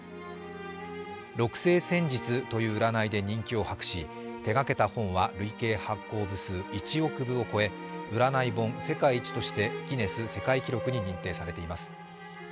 六星占術という占いで人気を博し手掛けた本は累計発行部数１億部を超え、占い本世界一としてギネス世界記録に認定されています。